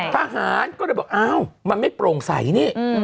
ทหารก็เลยบอกอ้าวมันไม่โปร่งใสนี่